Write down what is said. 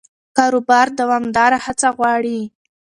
کاروبار دوامداره هڅه غواړي.